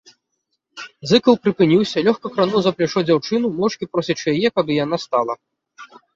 Зыкаў прыпыніўся, лёгка крануў за плячо дзяўчыну, моўчкі просячы яе, каб і яна стала.